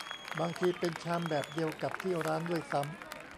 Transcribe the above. บางทีเป็นชามแบบเดียวกับที่ร้านด้วยซ้ำ